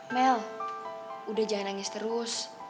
mel udah jangan nangis terus